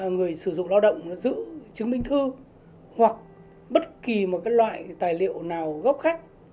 người sử dụng lao động giữ chứng minh thư hoặc bất kỳ một loại tài liệu nào gốc khác